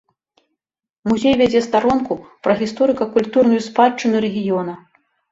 Музей вядзе старонку пра гісторыка-культурную спадчыну рэгіёна.